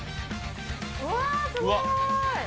うわー、すごい。